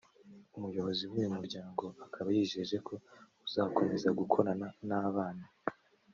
umuyobozi w’uyu muryango akaba yijeje ko uzakomeza gukorana n’abana